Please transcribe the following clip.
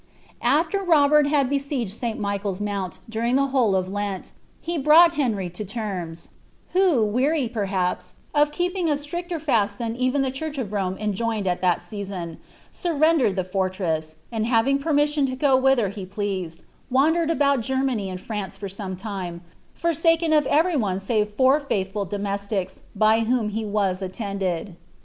After Robert had besieged St. Michael^s Mount during the whole of \jenU he brought Henry to terms ; who, weary, perhaps, of keeping a itricter fast than even the church of Rome enjoined at that season, sur* rendered the fortress ; and having permission to go whither he pleased, wandered about Grermany and France for some time, forsaken of every one save four fiuthful domestics, by whom he was attended.